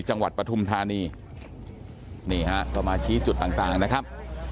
ปฐุมธานีนี่ฮะก็มาชี้จุดต่างนะครับ